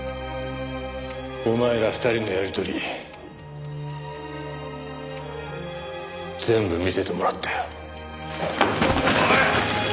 お前ら２人のやり取り全部見せてもらったよ。